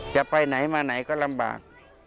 จะไปไหนมาไหนก็ลำบาก